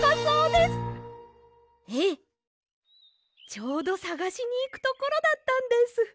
ちょうどさがしにいくところだったんです！